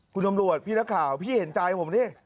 คุณตำรวจพี่นักข่าวพี่เห็นใจผมดิ